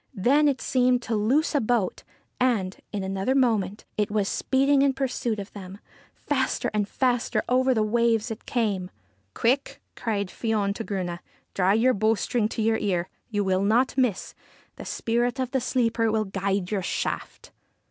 Then it seemed to loose a boat, and, in another moment, it was speeding in pursuit of them. Faster and faster over the waves it came. ' Quick !' cried Fion to Grunne. ' Draw your bowstring to your ear. You will not miss : the spirit of the sleeper will guide your shaft.'